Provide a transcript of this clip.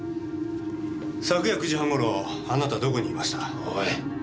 昨夜９時半頃あなたどこにいました？おい。